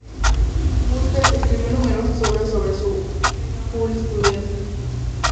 Bunster escribió numerosas obras sobre su jurisprudencia.